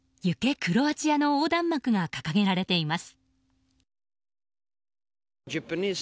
クロアチアの横断幕が掲げられています。